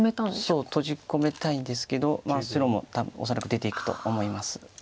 そう閉じ込めたいんですけど白も多分恐らく出ていくと思います。